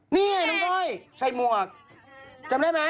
พี่เห็นจำไม่ได้อ่ะ